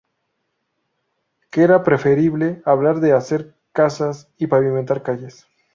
Que era preferible hablar de hacer casas y pavimentar calles.